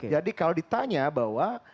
jadi kalau ditanya bahwa